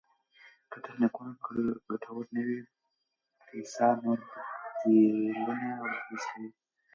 که تخنیکونه ګټور نه وي، پریسا نور بدیلونه وړاندیز کوي.